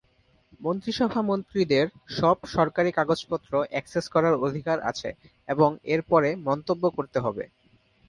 মন্ত্রিসভা মন্ত্রীদের সব সরকারি কাগজপত্র অ্যাক্সেস করার অধিকার আছে এবং এর পরে মন্তব্য করতে হবে।